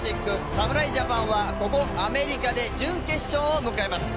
侍ジャパンはここアメリカで準決勝を迎えます。